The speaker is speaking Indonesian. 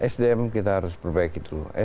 sdm kita harus perbaiki dulu